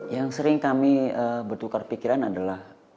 yang sering kami bertukar pikiran adalah